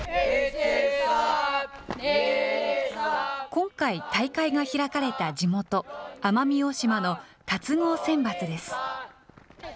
今回、大会が開かれた地元、奄美大島の龍郷選抜です。